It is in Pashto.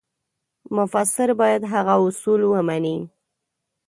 مفسر باید هغه اصول ومني.